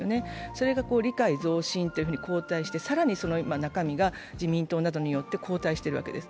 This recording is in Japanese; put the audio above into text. それが理解増進となって更にその中身が自民党などによって後退しているわけです。